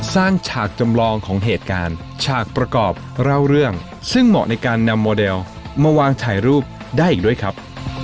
ฉากจำลองของเหตุการณ์ฉากประกอบเล่าเรื่องซึ่งเหมาะในการนำโมเดลมาวางถ่ายรูปได้อีกด้วยครับ